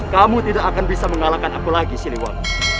kamu tidak akan bisa mengalahkan aku lagi siliwan